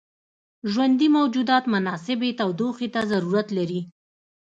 ژوندي موجودات مناسبې تودوخې ته ضرورت لري.